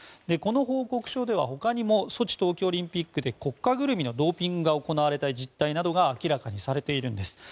この報告書では他にもソチ冬季オリンピックで国家ぐるみのドーピングが行われた実態などが明らかにされているんです。